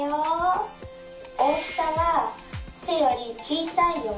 大きさはてよりちいさいよ。